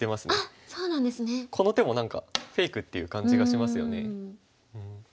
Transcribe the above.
この手も何かフェイクっていう感じがしますよね。